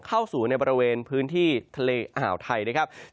เข้าสู่ในบริเวณพื้นที่ทะเลอ่าวไทยนะครับ